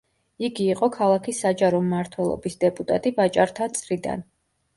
იგი იყო ქალაქის საჯარო მმართველობის დეპუტატი ვაჭართა წრიდან.